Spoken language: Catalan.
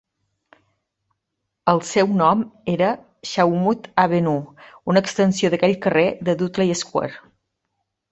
El seu nom era Shawmut Avenue, una extensió d'aquell carrer de Dudley Square.